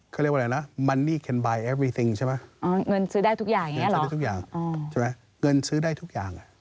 เค้าเรียกว่าอะไรเนี่ย